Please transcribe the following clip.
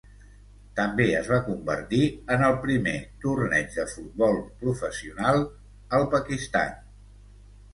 També es va convertir en el primer torneig de futbol professional al Pakistan.